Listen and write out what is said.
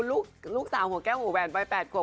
ลูกสาวหัวแก้วหัวแหวนวัย๘ขวบ